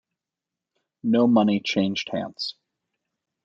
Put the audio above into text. No money changed hands.